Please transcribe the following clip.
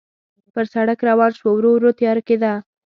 پر سړک روان شوو، ورو ورو تیاره کېده.